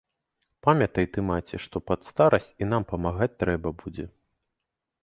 Памятай ты, маці, што пад старасць і нам дапамагаць трэба будзе.